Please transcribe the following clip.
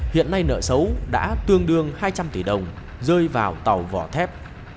hiện nay nợ xấu đã tương đương hai trăm linh tỷ đồng rơi vào tàu vỏ thép